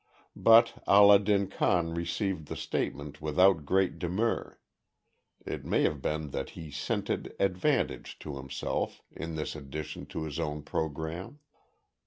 But Allah din Khan received the statement without great demur; it may have been that he scented advantage to himself in this addition to his own programme.